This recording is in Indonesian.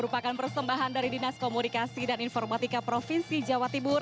perlu komunikasi dan sebagainya